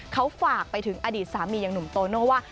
เขาฝากไปถึงอดีตสามีอย่างหนุ่มโตโน่ว่า